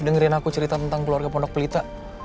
dengerin aku cerita tentang keluarga pondok pelita